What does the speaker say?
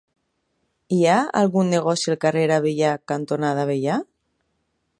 Hi ha algun negoci al carrer Avellà cantonada Avellà?